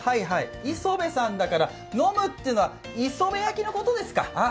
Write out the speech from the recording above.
磯部さんだから飲むっていうのは磯辺焼きのことですか？